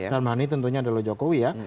dan manny tentunya adalah jokowi ya